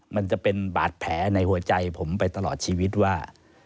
มันจะเป็นบาดแผลในหัวใจผมไปตลอดชีวิตว่า